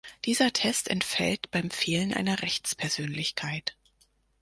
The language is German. Dieser Test entfällt beim Fehlen einer Rechtspersönlichkeit.